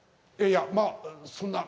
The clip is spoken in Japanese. いや、まあ、そんな。